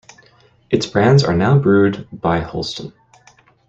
Its brands are now brewed by Holsten.